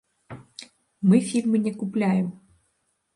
Мы фільмы не купляем.